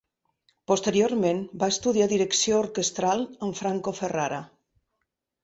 Posteriorment va estudiar direcció orquestral amb Franco Ferrara.